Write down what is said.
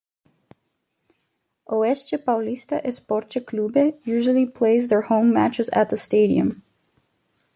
Oeste Paulista Esporte Clube usually plays their home matches at the stadium.